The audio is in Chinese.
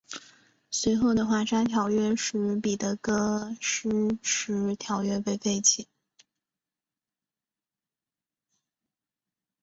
随后的华沙条约使彼得戈施迟条约被废弃。